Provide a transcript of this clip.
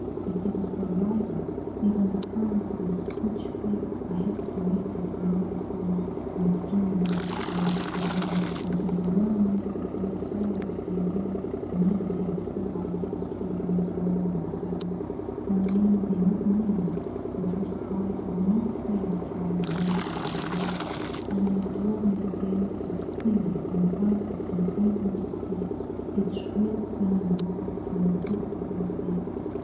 Because of her rival, even Her whose witch face I had slighted, and therefore was doom'd in that place To roam, and had roam'd, where all horrors grew rank, Nine days ere I wept with my brow on that bank; Her name be not named, but her spite would not fail To our love like a blight; and they told me the tale Of Scylla, and Picus, imprison'd to speak His shrill screaming woe through a woodpecker's beak.